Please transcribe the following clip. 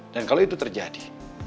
dan kalau itu terjadi